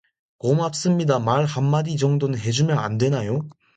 고맙습니다 말 한마디 정도는 해주면 안 되나요?